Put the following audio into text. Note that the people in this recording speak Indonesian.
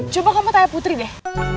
coba kamu tanya putri deh